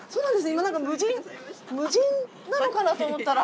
今何か無人なのかなと思ったら。